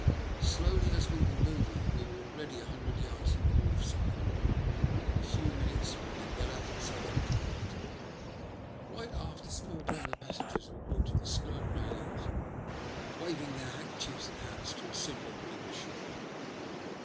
Slowly as we were moving, we were already a hundred yards from the wharf side, and in a few minutes would be well out in Southampton Water. Bight aft a small crowd of passengers were grouped at the stern railings, waving their handker chiefs and hats to a similar group ashore.